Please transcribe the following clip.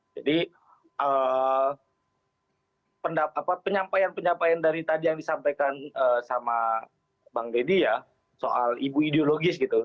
jadi penyampaian penyampaian dari tadi yang disampaikan sama bang deddy ya soal ibu ideologis gitu